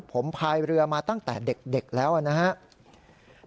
ผมพายเรือมาตั้งแต่เด็กแล้วนะครับ